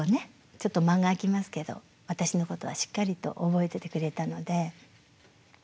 ちょっと間が空きますけど私のことはしっかりと覚えててくれたので。